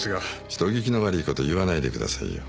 人聞きの悪い事言わないでくださいよ。